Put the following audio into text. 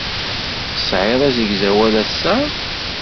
Tesɛiḍ asegzawal ass-a?